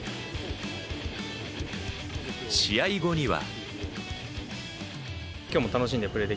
試合後には。